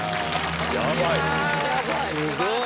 すごい！